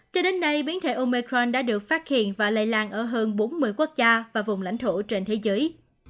cho đến nay biến thể omecron đã được phát hiện và lây lan ở hơn bốn mươi quốc gia và vùng lãnh thổ trên thế giới